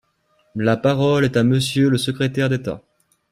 La parole est à Monsieur le secrétaire d’État.